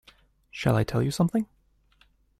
Shall I tell you something?